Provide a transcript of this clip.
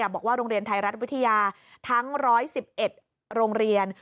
บอกว่าโรงเรียนไทยรัฐวิทยาทั้ง๑๑๑โรงเรียน